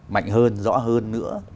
mạnh hơn rõ hơn nữa